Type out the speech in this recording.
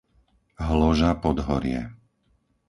Hloža-Podhorie